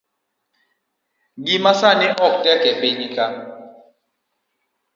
Ngima sani tek e piny ka